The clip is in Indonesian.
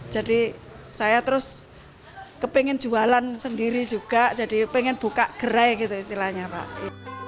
jadi saya terus kepingin jualan sendiri juga jadi pengen buka gerai gitu istilahnya pak